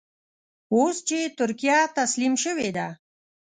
اوس چې ترکیه تسليم شوې ده.